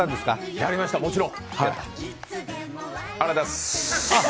やりました、もちろん。